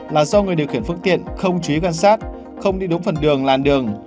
là do người điều khiển phương tiện không chú ý quan sát không đi đúng phần đường làn đường